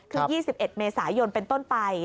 คือ๒๑เมษายนเป็นต้นไป